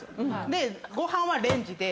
でご飯はレンジで。